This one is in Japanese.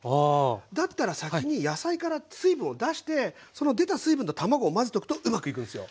だったら先に野菜から水分を出してその出た水分と卵を混ぜとくとうまくいくんすよ。